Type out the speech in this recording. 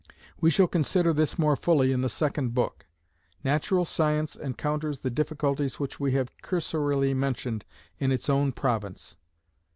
We shall consider this more fully in the second book. Natural science encounters the difficulties which we have cursorily mentioned, in its own province.